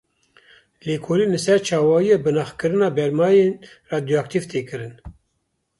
Lêkolîn li ser çawayiya binaxkirina bermayên radyoaktîv tê kirin.